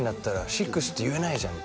「ＳＩＸって言えないじゃん」